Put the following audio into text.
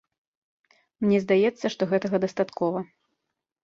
Мне здаецца, што гэтага дастаткова.